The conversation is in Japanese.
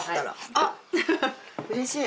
あっうれしい！